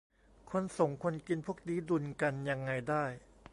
คนส่ง คนกิน พวกนี้ดุลกันยังไงได้